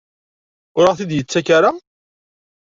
Ur aɣ-t-id-yettak ara?